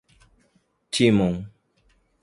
Timon